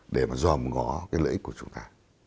để mà dòm ngó cái lợi ích của chúng ta